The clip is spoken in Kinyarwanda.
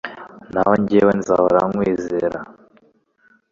Naho jyewe nzahora nkwizera